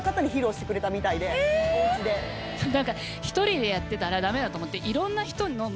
何か１人でやってたら駄目だと思って。